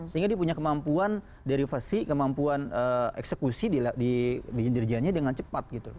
sehingga dia punya kemampuan derivasi kemampuan eksekusi di indirjanya dengan cepat gitu